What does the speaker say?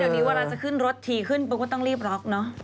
เดี๋ยวนี้เวลาจะขึ้นรถทีขึ้นปุ๊บก็ต้องรีบล็อกเนอะ